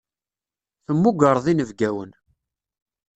Temmugreḍ inebgawen.